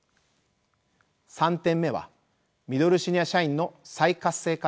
３点目はミドルシニア社員の再活性化です。